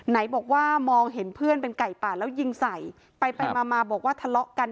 ไหนบอกว่ามองเห็นเพื่อนเป็นไก่ป่าแล้วยิงใส่ไปไปมามาบอกว่าทะเลาะกัน